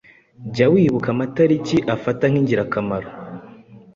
Jya wibuka amatariki afata nk’ingirakamaro